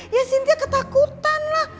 ya sintia ketakutan lah